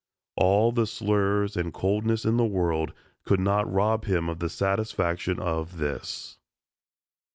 All the slurs and coldness in the world could not rob him of the satisfaction of this.